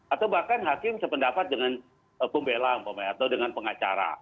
atau bahkan hakim sependapat dengan pembela atau dengan pengacara